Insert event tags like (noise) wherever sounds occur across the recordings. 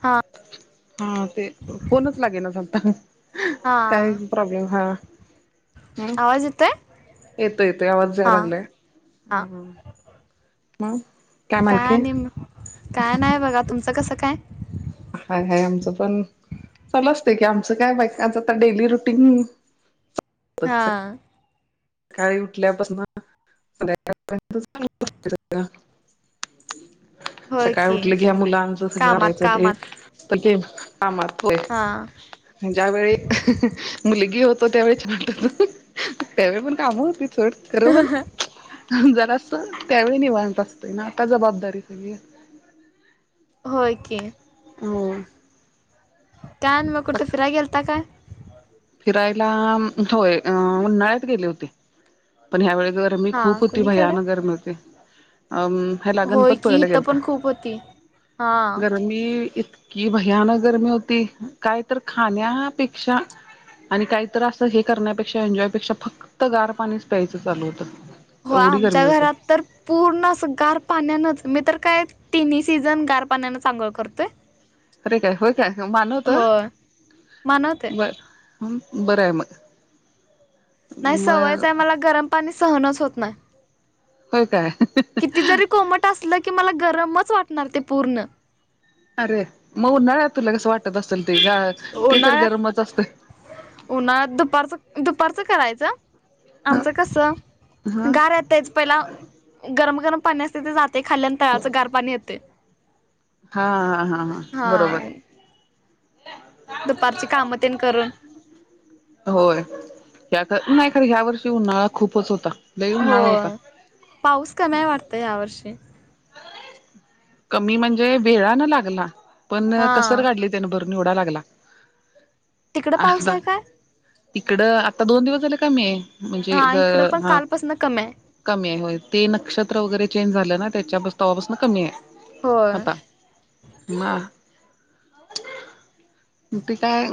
हा हा ते फोनच लागेना झालंता हा काय प्रॉब्लेम हा हम् आवाज येतोय येतो येतो आवाज हा जारा यायलाय हा मग काय आणि मी काय नाही बघा तुमचं कसं काय हाय हाय आमचं पण चालू असते कि आमचं काय बाय आता तर डेली रूटीन हा काळी उठल्या पासून संध्याकाळपर्यंत (unintelligible) होय सकाळी की उठले घ्या मुलांच सं कामात करायचं ते कामात तर घे कामात हा (unintelligible) ज्यावेेळी मुलगी होतो त्यावेळीचट त्यावेळी एवढी पण काम होती (inaudible) ोड खरो बण जरा अस त्यावेळी निवांत असतोय ना आता जबाबदारी दिली आहे होय की हो कायन मग कुठे फिराय गेलता काय फिरायला होय उन्हाळ्यात गेली होती पण ह्यावेळे गरमी हा खूप होती कुणीकडे भयानक गर्मी होती आम ह्याला होय गणपत की पुळ्याला इथं गेलत पण खूप होती हा गरमी ती इतकी भयानक गरमी होती काय तर खाण्यापेक्षा आणि काहीत असं हे करण्यापेक्षा एन्जॉयपेक्षा फक्त गार पाणीच प्यायचं चालू होत हो आमच्या घरात तर पूर्ण असं गार पाण्यानंच मी तर काय तिन्ही सीझन गार पाण्यानं आंघोळ करतोय अरे काय होय काय मानवत होय मानवते बर बरं आहे मग नाही मग सवयचं आहे मला गरम पाणी सहनच होत नाही. हो काय किती जरी कोमट असलं की मला गरमच वाटणार ते पूर्ण अरे मग उन्हाळ्यात तुला कसं वाटत असेल ते ते तर गरमच असतं उन्हाळ्यात उन्हाळ्यात दुपारचं दुपारचं करायचं ह आमचं कस हा गार येतच पहिला गरम गरम पाण्या अस तथ जात ते खाल्ल्यान तळाचं गार पाणी येते हा हा हा हा बरोबर दुपारची कामं ते करून होय नाही खर ह्या वर्षी उन्हाळा खूपच होता लई हो उन्हाळा होता पाऊस कमी वाटत ह्या वर्षी कमी म्हणजे वेळा न लागला पण हा कसडली त्यान भरून निवडा लागला तिकडं आ पाऊस आहे काय इकडं आता दोन दिवस झाले कमी आहे म्हणजे हा ज इकडं पण हा कालपासून कमी आहे कमी आहे हो ते नक्षत्र वगैरे चेंज झालं ना त्याच्या्हापासून कमी आहे होय आता म ते काय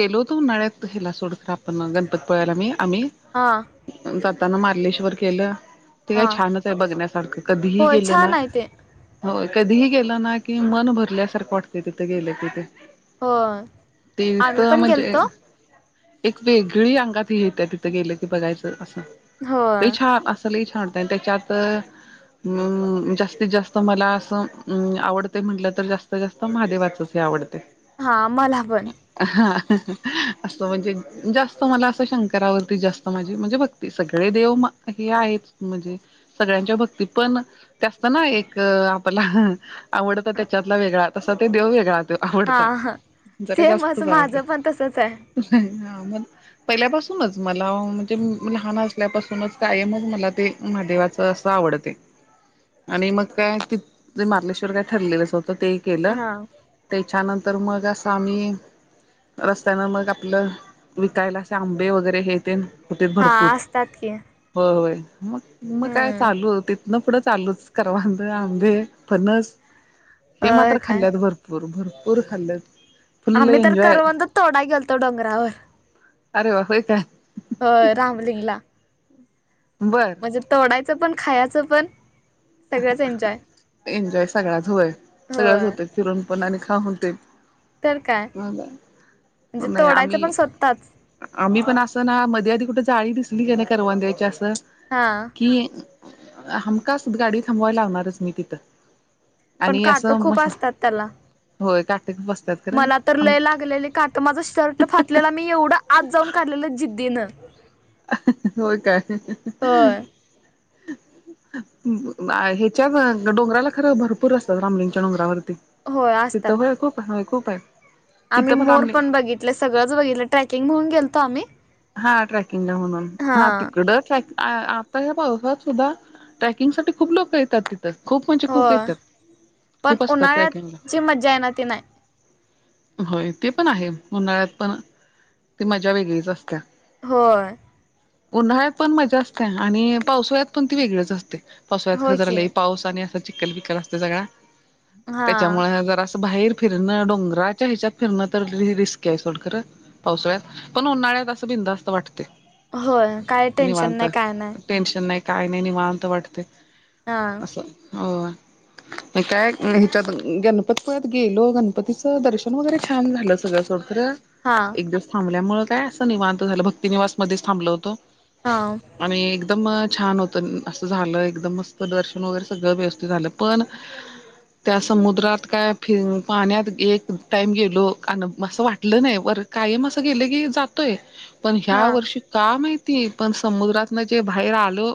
गेलो होतो उ नळ्यात हेला सोडत आपण गणपतपुळ्याळा मी आम्ही हा जाताना मारलेश्वर केलं ते काय हा छानच आहे बघण्यासारखं कधीही होय गेलं ना छान आहे ते होय कधीही गेलं ना कि मन भरल्यासारखं वाटतय तिथे गेलं तिथे. होय ते आम्ही तर पण म्हणजे गेलतो एक वेगळी अंगात हे येत्या्या तिथं गेलं की बघायचं असं, ते होय छान अस लई छान त्याच्यात अं जास्तीत जास्त मला असं आवडते म्हटलं तर जास्तीत जास्त महादेवाचच हे आवडतय. हा मला पण. हा असं म्हणजे जास्त मला असं शंकरावरती जास्त माझी म्हणजे भक ते सगळे देव म हे आहेत म्हणजे सगळ्यांच्या भक्तीत पण, ते असत ना एक आपला, आवडत त्याच्यातला वेगळा तसा ते देव वेगळा. हा आवडता, हा जरा सेम असं जास्तच आवडता, माझं पण तसच आहे. म पहिल्यापासूनच मला म्हणजे लहान असल्यापासूनच कायम मला ते महादेवाचं असं आवडतय. आणि मग काय ते, मारलेश्वर काय ठरलेलंच होतं ते केलं. हा त्याच्यानंतर मग अस आम्ही रस्त्यानं मग आपलं, विकायला असे आंबे वगैरे हेे तेन. होतीत हा भरपूर, असतात की होय मग म काय हम्म चालू होती तीतन पुढं चालूच, करवंद, आंबे, फनस, हे होय मात्र काय खाल्ल्यात भर पोर भरपूर खाल्यात. आम्ही तर करवंद तोडाय गेलतो डोगरावर. अरे वा! होय काय. होय रामलीगला. बरं. म्हणजे तोडायचं पण खायचं पण. सगळंच एन्जॉय एन्जॉय सगळंच होय, सगळच होय होते फिरून पण आणि खाऊन तेन. तर काय मग, म्हणजे नाही तोडायचं आम्ही पण स्वतःच आम्ही पण असं ना मध्ये आधी कुठं जाळी दिसली का नाही करवंदाची असं हा. कि, हमकास गाडी थांबवायला लावणारच मी तिथं. पण आणि अस काटो खूप मस, असतात त्याला होय काटक बसतात. खरं मला तर आम लय लागलेले काट माझं शर्ट फाटलेला मी एवढं आत जाऊन काढलेलं जिद्दीनं. होय काय? होय अ ह्याच्या डोंगराला खरं भरपूर असतात रामलिंगच्या डोंगरावरती. होय तित असतात होय खूप होय खूप आहेत. आम्ही मोर पण बघितले सगळंच बघितलं ट्रॅकिंग म्हणून गेलतो आम्ही. हा ट्रॅकिंगला म्हणून हा तिकड ट्रॅक आता या पावसात सुद्धा, ट्रॅकिंग साठी खूप लोक येतात ती थ खूप म्हणजे हो खूप येतात, पण खूप असतात ट्रेकिंगला. उन्हाळ्यात जी मज्जा आहे ना ती नाही होय ते पण आहे उन्हाळ्यात पण, ती मज्जा वेगळीच असत्या. होय. उन्हाळ्यात पण मजा असतया आणि पावसाळ्यात पण ती वेगळीच असते. पावसाळ्यात खरं होय जरा की लई पाऊस आणि असा चिकल बिकल असतोय सगळा, हा त्याच्यामुळे जरा असं बाहेर फिरण डोंगराच्या ह्याच्यात फिरण तर लई रिस्क आहे सोड खर, पावसाळ्यात, पण उन्हाळ्यात बिनधास्त वाटतय. होय काय टेन्शन नाही काय नाय. टेन्शन नाही काय नाय निवांत वाटतय. हा. असं, हो. काय हिच्यात गणपतपुळ्यात गेलो गणपतीचं दर्शन वगैरे छान झालं सगळ सोड. खर. हां. एक दिवसं थांबल्यांमुळे कायं असं निवांत झालं भक्तीनिवांस मध्येचं थांबलं होतं हां आणि एकदंम छान होतं असं झालं एकदंम मस्तं दर्शन वगैरें सगळं व्यवस्थितं झालं पणं त्यां समुद्रांत कायं फि पाण्यांत एक टाईम गेलो अनं असं वाटलं नाहीं बरं कारमं असं गेलं की जातं येते पणं ह्या हा वर्षी कायं माहिती पणं समुद्रांतन जे बाहेर आलं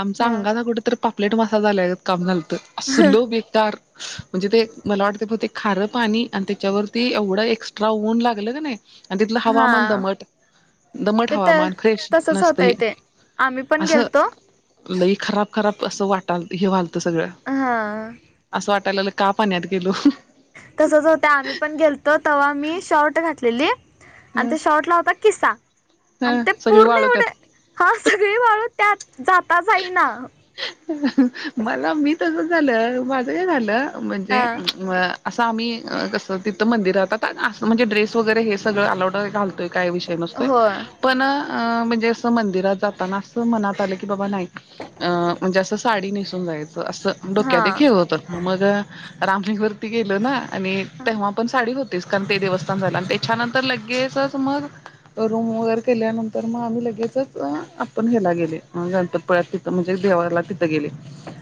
आमच्यां हा अंगांचा कुठेेतरं पापलेट वांस झालायं गतं कामं झालं तं असलो बेकांर म्हणजे ते मलां वाटतें पणं ते खारं पाणी आणि त्यांच्या वरती एवढं एक्स्ट्रा ऊंन लागलं कां नाहीं आणि तिथलं हवामांन हा दमटं दमटं ते तर हवामांन फ्रेश तसच नसते होतय ते आम्ही पण असं गेलतो लई खरांब खरांब असं वाटालं हेवालतं सगळं हां असं वाटायंलं कां पाण्यांत गेलो तसंच होतं आम्हीं पणं गेलतो तेंव्हा मी शॉर्ट घातलेली आणि हम्म त्यां शॉर्ट लां होतां खिसां आणि ह ते सगळी पूर्ण एवढे वाळवत्यात. हां सगळीं वाळूं त्यांत जातां जाईनां मलां मी तसं झालं माझं झालं म्हणजे हा अ असं आम्हीं कसं तिथं मंदिरांतहात म्हणजे ड्रेस वगैरें हे सगळं अलाउड घालतोयं कां विषय नसतो हो पणं म्हणजे असं मंदिरांत जातांना असं मणांत आलं की बाबां नाहीं अ म्हणजे असं सांडी नेसूंन जायचं असं हा डोक्यांत एक हे होतं मंग रामंलीवररती गेलो नां आणि तेंव्हा पणं सांडी बदंलू तेचं ते देवस्थानं झालं आणि त्यांच्यानंतर लगेचचं मंण रूंम वगैरें केल्यांनंतर मंग आम्हीं लगेचं आपणं एप्पल घ्यायला गेले नंतर परतं पल्यांसतीत म्हणजे जेवांयला तिथं गेले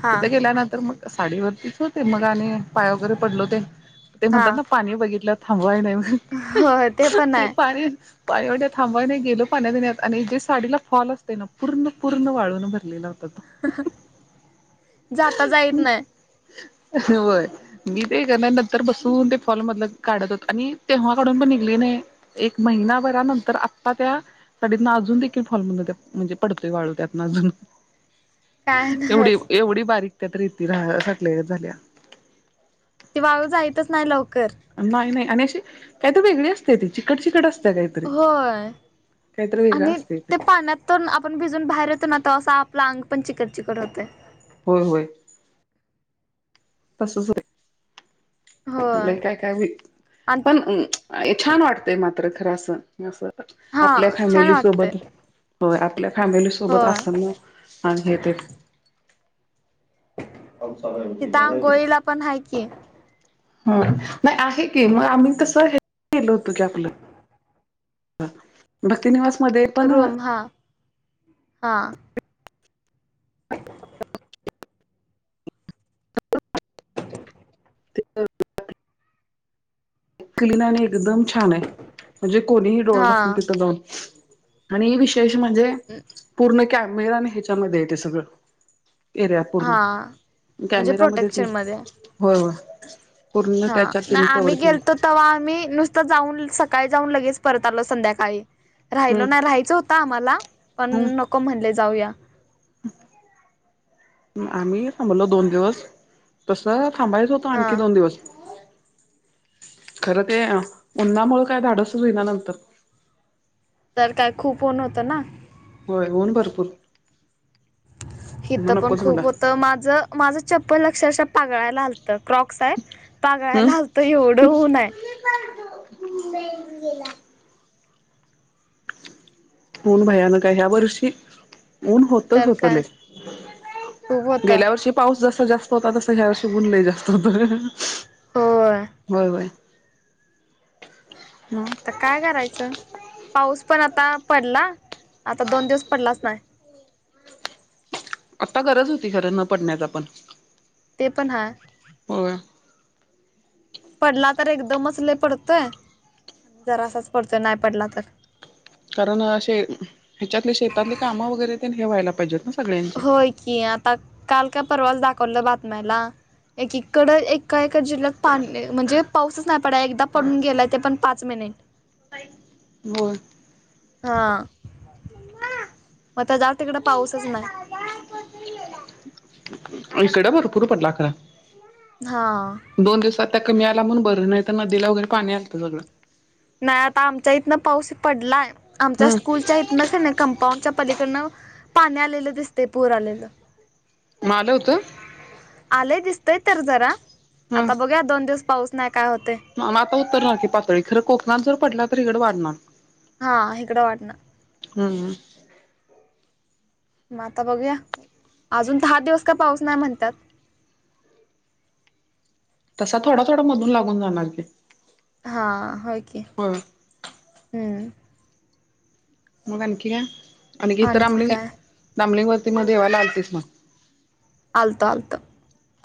हा तिथं गेल्यानंतर मंग साडीवररतीचं होते मंग आणि पांय वगैरें पडलो ते ते हा म्हणतांत नां पाणी बघितलं थांबवांय नाहीं मं हो ते पण आणि आहे पाणी पायवड्यां थांबवायने गेलो पाण्यां देण्यांत आणि जे साडीलां फॉल असते नां पूर्ण पूर्ण वाळूंन भरलेलं होतं हं जातां जां येतं नाहीं व्हंय मी ते करणारं नंतर बसूंन ते फॉल मधलं काढंत होतं आणि तेंव्हा कांडून पणं निघली नाहीं एक महिन्यांभरानंतर आतां त्यां साडितूं अजूंन देखील फॉलमंध्येध म्हणजे पडतोय वाळूं त्यातं अजूंन काय एवढी नवच एवढी बारीक त्यांतरेती सगल्यां झाल्यां ती वाळूं जायंतचं नाहीं लवकरं नाहीं नाहीं आणि अशी कांहीं तरं वेगळी असतें ती चिकट चिकट असतें कांहीं होयं आणि असते ते त्यां पाण्यांत तरं आपणं भिजूंन बाहेर येतो नां तवां असं आपलं आंग पणं चिकट चिकट होतं होयं होयं तसंच होतें ते होय लंय कायं कायं आणि पणं छान वाटतंय मात्र खरं असं हा आपल्यां छान वाटतय फॅमिलीसोबतं होयं आपल्यां फॅमिलीसोबतं होय असतं नां हा ह ते (unintelligible) अ लांय तिथं झालेयं घ आंघोळीला (unintelligible) पण हाय की हो नाहीं आहे की मंग आम्हीं तसं हे केेलो होतो की आपलं हां भक्तीनिवांस मध्यें रूंम हां हां (unintelligible) ते (unintelligible) क्लीन आणि एकदंम छान आहे म्हणजे कोणीही डोळ हा दाकवूंन तिथं दोन आणि एक विशेष म्हणजे पूर्ण कॅमेरा आणि ह्याच्यामध्ये हाय ते सगळं एरिया हा पूर्ण म्हणजे कॅमेरामध्ये येते प्रोटेक्शन मध्ये हो. हा नाय आम्ही गेलतो तवा आम्ही नुसतं जाऊन सकाळी जाऊन लगेच परत आलो संध्याकाळी रायलो हम्म नाय राहायचं होत आम्हाला पण नको म्हणले जाऊया. म आम्ही थांबलो दोन दिवस तस थांबायच होत त आणखी हा. दोन दिवस खरं ते उन्हामुळ काय धाडसच होईना नंतर तर काय खूप ऊन होतं ना होय ऊन भरपूर हिथ मग पण नकोच म्हणला खूप होत माझ माझं चप्पल अक्षरशः पागळायला आल तर क्रॉक्स आहेत. हम्म पगळायला आलतं एवढं ऊन हाय. ऊन भयानक हाय ह्या वर्षी ऊन होत तिथंच तर होत काय लय, खूप होतं. गेल्या वर्षी पाऊस जसा जास्त होता तसा ह्या वर्ष ऊन लय जास्त होत. होय होय होय. म आता काय करायचं पाऊस पण आता पडला आता दोन दिवस पडलाच नाय आता गरज होती खरं न पडण्याचा पण ते पण हाय. होय. पडला तर एकदमच लय पडतोय आन जरासाच पडतोय नाय पडला तर कारण असे ह्याच्यातले शेतातली कामं वगैरे तेनं हे व्हायला पाहिजेत ना सगळ्यांचे होय की, आता काल का परवाच दाखवलं बातम्याला एक की कड एक काय काय जिल्ह्यात पाणी ल म्हणजे पाऊसच नाय पडाय एकदा पडून गेलाय ते पण पाच महिने होय. हा आता जाव तिकड पाऊसच नाय. हीकड भरपूर पडला खर हा दोन दिवसात त्या कमी आला म्हणून बरं नाय त नदीला वगैरे पाणी आलतं सगळं नाय आता आमच्या इथन पाऊस पडलाय आमच्या हम् स्कूल- च्या इथनं कन कंपाऊंडच्या पलीकडनं पाणी आलेलं दिसतय पूर आलेलं. म आला होत आलय दिसतय तर जरा आता बघूया दोन दिवस पाऊस नाय काय होतय. म म आता उतरणार की पातळी खरं कोकणात जर पडला तर इकडं वाढणार हा हीकडं वाढणार हूं हूं म आता बघूया अजून दहा दिवस का पाऊस नाय म्हणतात. तसा थोडा थोडा मधुन लागून जाणार की हा होय की हो हूं मग आणखी काय आणखी इथं रामलिं रामलिंग वरती मध देवाला आलतीस मग आलतो आलतो.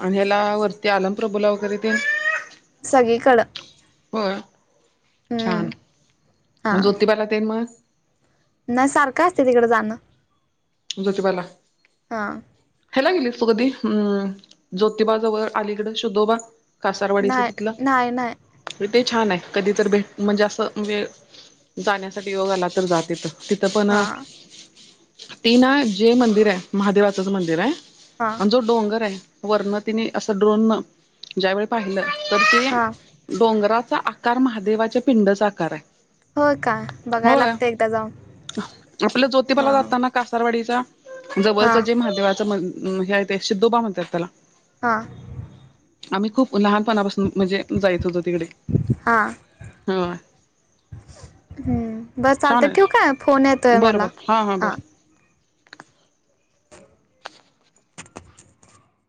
आणि ह्याला वरती आलम प्रभुला वगैरे ते सगळीकडं होय छान हम्म जोतिबाला तेन मग नात सारखं असतय तिकड जाणं ज्योतिबाला हां हयाला गेलीस तू कधी अं ज्योतिबाजवळ अलीकड शुधोबा कासारवाडीच्या नाही तिथला नाही नाही म्हणजे ते छान हाय कधी तर भेट म्हणजे असं वेळ जाण्यासाठी योग आला तर जा तिथं तिथं पण हा अ ती ना जे मंदिर हाय. महादेवाचंच मंदिर हाय. हा आमचं (unintelligible) डोंगर हाय. वरन तिने असं ड्रोन ज्यावेेळी पाहिलं तर ते हा - - डोंगराचा आकार महादेवाच्या पिंडचा आकार हाय. होय काय बघायला होय. लागते एकदा जाऊन आपल्या ज्योतिबाला हा जाताना कासारवाडीचा हा जवळच जे महादेवाच मं हे ते शिद्धोबा म्हणत्यात त्याला. हां. आम्ही खूप लहानपणापासून म्हणजे जाइत होतो तिकडे. हां. ह हम्म. बर छान चालतय ठेवु आहे का? फोन येतोय बरं बर मला बर हा.